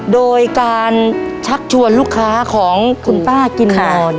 โดยการชักชวนลูกค้าของคุณป้ากินนอน